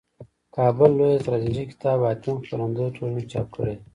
دکابل لویه تراژیدي کتاب حاتم خپرندویه ټولني چاپ کړیده.